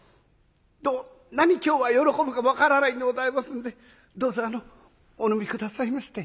どんなに今日は喜ぶかも分からないんでございますんでどうぞお飲み下さいまして」。